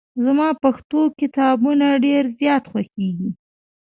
زما پښتو کتابونه ډېر زیات خوښېږي.